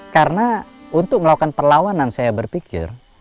karena untuk melakukan perlawanan saya berpikir